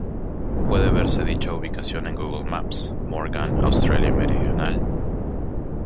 Puede verse dicha ubicación en Google maps: Morgan, Australia Meridional.